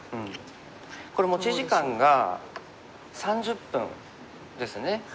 これ持ち時間が３０分ですね。